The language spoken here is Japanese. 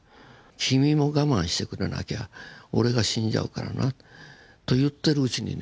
「君も我慢してくれなきゃ俺が死んじゃうからな」と言ってるうちにね